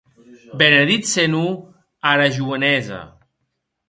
Beneditz, Senor, ara joenesa!